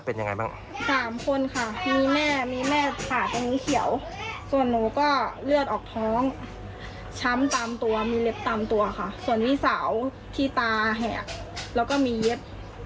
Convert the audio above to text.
ส่วนวี่สาวที่ตาแหกแล้วก็มีเย็ด